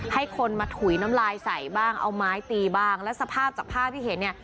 ให้คนมาถุยน้ำลายใส่บ้างเอาไม้ตีบ้างแล้วสภาพจากภาพที่เห็นเนี่ย